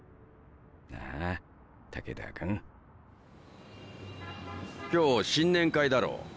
なあ武田君。今日新年会だろう。